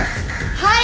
はい！